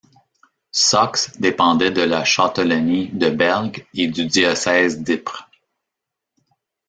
Socx dépendait de la Châtellenie de Bergues et du diocèse d'Ypres.